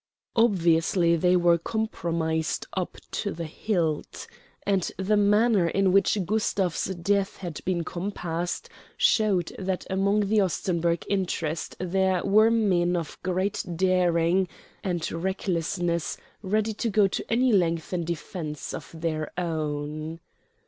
Obviously they were compromised up to the hilt; and the manner in which Gustav's death had been compassed showed that among the Ostenburg interest there were men of great daring and recklessness ready to go to any length in defence of their own.